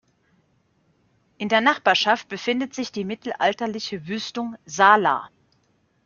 In der Nachbarschaft befindet sich die mittelalterliche Wüstung Sahla.